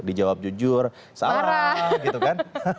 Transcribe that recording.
dijawab jujur salah gitu kan